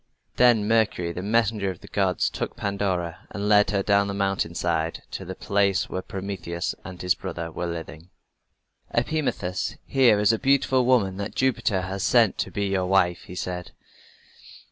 Then Mercury, the messenger of the gods, took Pandora and led her down the mountain side to the place where Prometheus and his brother were living. [Illustration: PROMETHEUS PUNISHED FOR HIS GIFT TO MAN] "Epimetheus, here is a beautiful woman that Jupiter has sent to be your wife," he said.